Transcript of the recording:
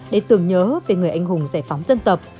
để tưởng nhớ về người anh hùng giải phóng dân tộc